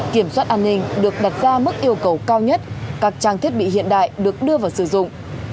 kiểm soát an ninh được đặt ra mức yêu cầu cao nhất các trang thiết bị hiện đại được đưa vào sử dụng